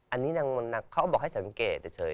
อันนี้เขาบอกให้สังเกตเฉย